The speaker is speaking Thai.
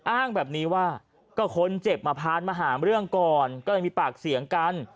อ้างแบบนี้ว่าก็คนเจ็บมาพานมาหาเรื่องก่อนก็เลยมีปากเสียงกัน